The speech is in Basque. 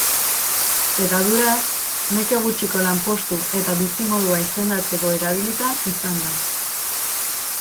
Hedaduraz, neke gutxiko lanpostu eta bizimodua izendatzeko erabilita izan da.